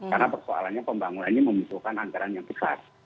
karena persoalannya pembangunan ini membutuhkan anggaran yang besar